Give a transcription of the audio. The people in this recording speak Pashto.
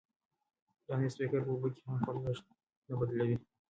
دا نوی سپیکر په اوبو کې هم خپل غږ نه بدلوي.